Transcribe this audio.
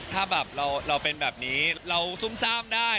ถ้าแบบเราเป็นแบบนี้เราซุ่มซ่ามได้